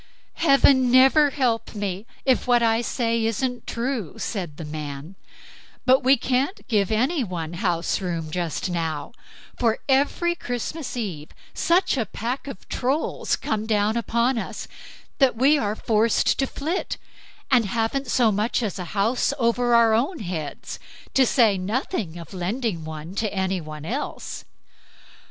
"Heaven never help me, if what I say isn't true!" said the man; "but we can't give any one house room just now, for every Christmas Eve such a pack of Trolls come down upon us, that we are forced to flit, and haven't so much as a house over our own heads, to say nothing of lending one to any one else."